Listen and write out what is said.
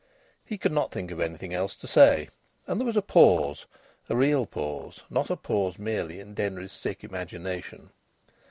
He could not think of anything else to say. And there was a pause, a real pause, not a pause merely in Denry's sick imagination.